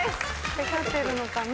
テカってるのかな？